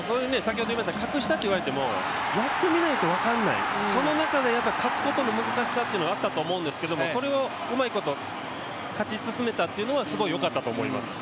格下と言われてもやってみないと分かんない、その中で勝つことの難しさというのはあったと思うんですけど、それをうまいこと勝ち進めたというのはいいと思います。